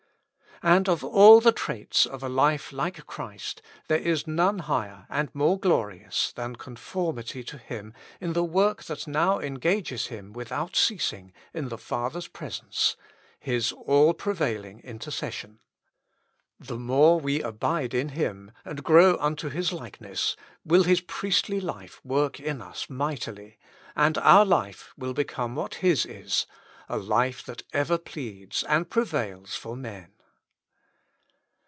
And of all the traits of a Hfe Like Christ there is none higher and more glorious than conformity to Him in the work that now engages Him without ceasing in the Father's presence — His all prevailing intercession. The more we abide in Him, and grow unto His likeness, will His priestly life work in us mightily, and our life become what His is, a life that ever pleads and prevails for men.